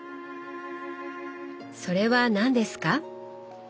それは何ですか？